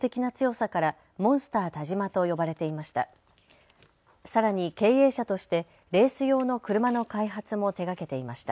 さらに経営者としてレース用の車の開発も手がけていました。